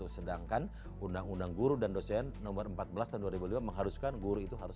sedangkan undang undang guru dan dosen nomor empat belas tahun dua ribu lima mengharuskan guru itu harus